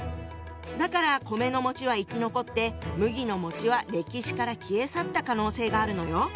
だから米のは生き残って麦のは歴史から消え去った可能性があるのよ。